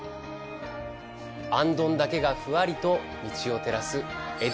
行灯だけがふわりと道を照らす。